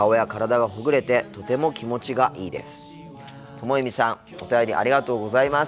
ともゆみさんお便りありがとうございます。